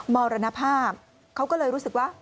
มรณภาพเขาก็เลยรู้สึกว่า